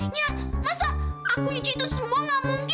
nyah masa aku cuci itu semua nggak mungkin